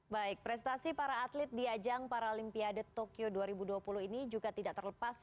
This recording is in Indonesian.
baik prestasi para atlet di ajang paralimpiade tokyo dua ribu dua puluh ini juga tidak terlepas